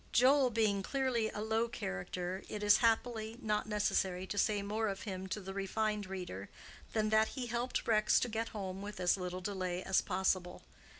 Joel being clearly a low character, it is, happily, not necessary to say more of him to the refined reader, than that he helped Rex to get home with as little delay as possible.